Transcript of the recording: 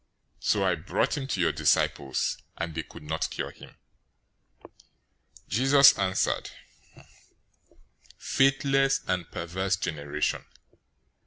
017:016 So I brought him to your disciples, and they could not cure him." 017:017 Jesus answered, "Faithless and perverse generation!